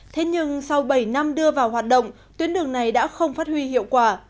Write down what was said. thế nhưng sau bảy năm đưa vào hoạt động tuyến đường này đã không phát huy hiệu quả